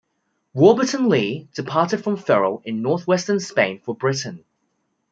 Warburton-Lee, departed from Ferrol in northwestern Spain for Britain.